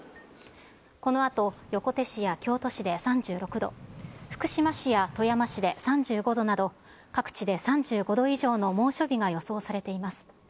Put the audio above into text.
このあと、横手市や京都市で３６度、福島市や富山市で３５度など、各地で３５度以上の猛暑日が予想されています。